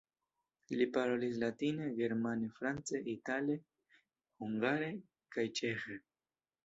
Li parolis latine, germane, france, itale, hungare kaj ĉeĥe.